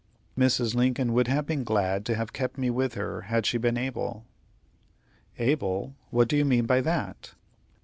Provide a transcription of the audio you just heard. "Mrs. Lincoln would have been glad to have kept me with her had she been able." "Able! What do you mean by that?"